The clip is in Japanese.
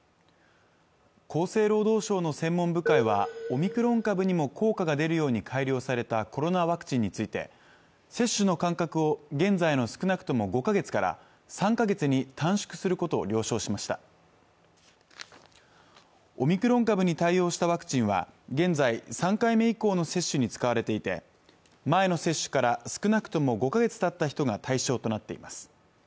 厚生労働省の専門部会はオミクロン株にも効果が出るように改良されたコロナワクチンについて接種の間隔を現在の少なくとも５か月から３か月に短縮することを了承しましたオミクロン株に対応したワクチンは現在３回目以降の接種に使われていて前の接種から少なくとも５ヶ月経った人が対象となっています